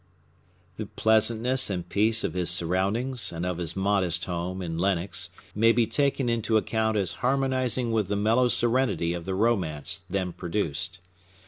The pleasantness and peace of his surroundings and of his modest home, in Lenox, may be taken into account as harmonizing with the mellow serenity of the romance then produced.